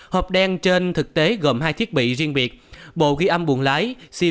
hộp đen trên thực tế gồm hai thiết bị riêng biệt bộ ghi âm buồn lái xe